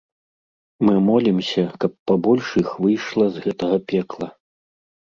Мы молімся, каб пабольш іх выйшла з гэтага пекла.